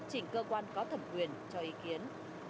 chỉnh cơ quan có thẩm quyền cho ý kiến